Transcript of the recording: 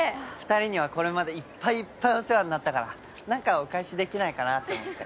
２人にはこれまでいっぱいいっぱいお世話になったからなんかお返しできないかなって思って。